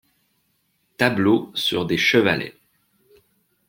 Tableaux sur des chevalets.